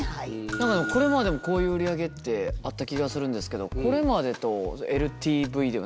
何かでもこれまでもこういう売り上げってあった気がするんですけどこれまでとＬＴＶでは何が違うんですかね？